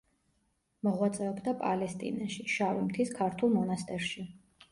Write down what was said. მოღვაწეობდა პალესტინაში, შავი მთის ქართულ მონასტერში.